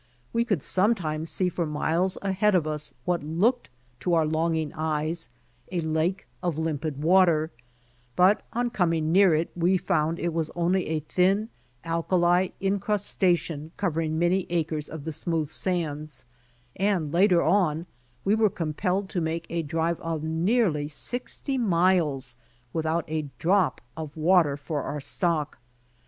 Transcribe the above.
We could sometimes see for miles ahead of us what looked to our longing eyes a lake 'of limpid water, but on coming nearer it we found it was only a thin alkali incrus tation covering many acres of the smooth sands, and later on we were compelled to make a drive of nearly sixty miles without a drop of water for our stock.